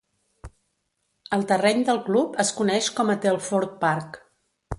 El terreny del club es coneix com a Telford Park.